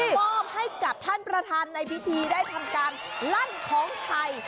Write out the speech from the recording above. มอบให้กับท่านประธานในพิธีได้ทำการลั่นของชัย